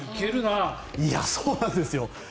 そうなんですよ。